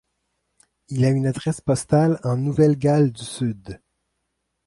Il a une adresse postale en Nouvelle-Galles du Sud.